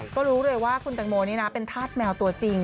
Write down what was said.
ก็รู้เลยว่าคุณแตงโมนี่นะเป็นธาตุแมวตัวจริง